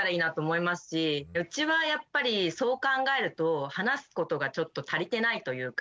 うちはやっぱりそう考えると話すことがちょっと足りてないというか。